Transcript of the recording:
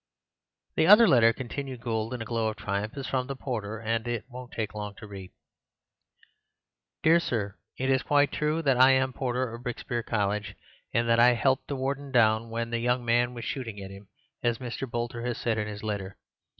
"The other letter," continued Gould in a glow of triumph, "is from the porter, and won't take long to read. "Dear Sir,—It is quite true that I am the porter of Brikespeare College, and that I 'elped the Warden down when the young man was shooting at him, as Mr. Boulter has said in his letter.